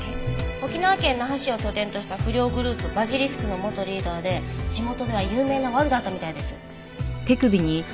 沖縄県那覇市を拠点とした不良グループバジリスクの元リーダーで地元では有名なワルだったみたいです。